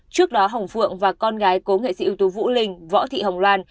trước đó hồng phượng và con gái cố nghệ sĩ ưu tú vũ linh võ thị hồng loan